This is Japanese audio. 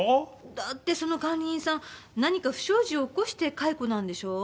だってその管理人さん何か不祥事を起こして解雇なんでしょ？